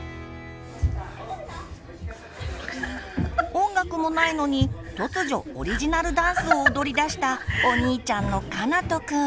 音楽もないのに突如オリジナルダンスを踊りだしたお兄ちゃんのかなとくん。